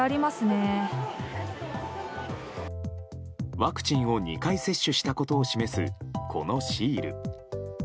ワクチンを２回接種したことを示す、このシール。